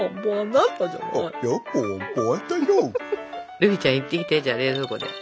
グーフィーちゃん行ってきてじゃあ冷蔵庫で。